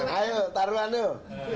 ayo taruhan tuh